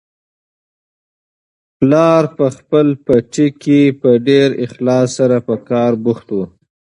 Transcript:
پلار په خپل پټي کې په ډېر اخلاص سره په کار بوخت و.